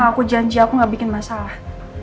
aku janji aku gak bikin masalah